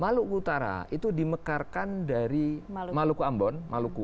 maluku utara itu dimekarkan dari maluku ambon maluku